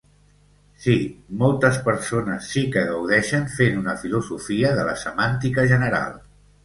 Sí, moltes persones sí que gaudeixen fent una filosofia de la semàntica general.